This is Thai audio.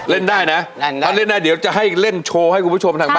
เล่นได้นะถ้าเล่นได้เดี๋ยวจะให้เล่นโชว์ไว้ให้คุณผู้ชมกายดู